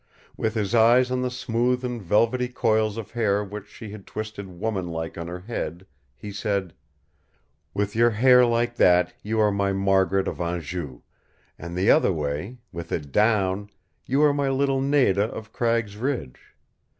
With his eyes on the smooth and velvety coils of hair which she had twisted woman like on her head, he said, "With your hair like that you are my Margaret of Anjou, and the other way with it down you are my little Nada of Cragg's Ridge.